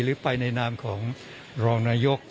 หรือไปในนามของรองนายก